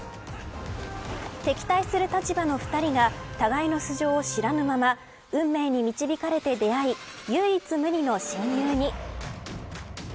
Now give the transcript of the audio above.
敵対する立場の２人が互いの素性を知らぬまま運命に導かれて出会い唯一無二の親友に。